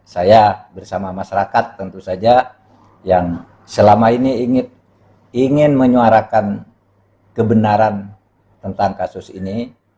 saya bersama masyarakat tentu saja yang selama ini ingin menyuarakan kebenaran tentang kasus ini